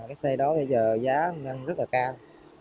cái xe đó bây giờ giá rất là cao